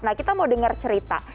nah kita mau dengar cerita